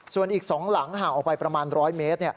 ส่วนอีก๒หลังห่างออกไปประมาณ๑๐๐เมตร